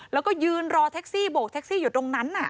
แล้วก็ยืนรอแท็กซี่โบกแท็กซี่อยู่ตรงนั้น